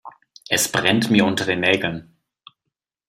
Es brennt mir unter den Nägeln.